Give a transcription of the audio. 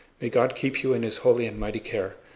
May God keep you in His holy and mighty care.